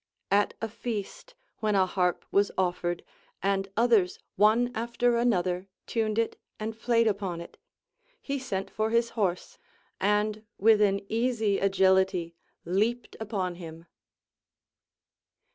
At a feast, when a harp was offered, and others one after another tuned it and played upon it, he sent for his horse, and with an easy agility leaped upon him.